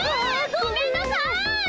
ごめんなさい！